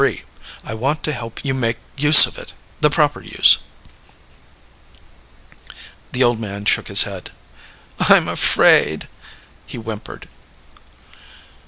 I want to help you make use of it the proper use." The old man shook his head. "I'm afraid," he whimpered.